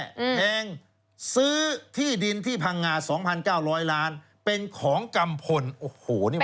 แทงซื้อที่ดินที่พังงา๒๙๐๐ล้านเป็นของกัมพลโอ้โหนี่มัน